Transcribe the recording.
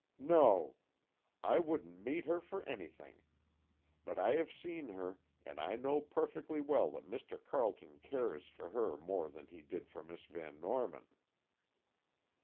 "No! I wouldn't meet her for anything. But I have seen her, and I know perfectly well that Mr. Carleton cares for her more than he did for Miss Van Norman."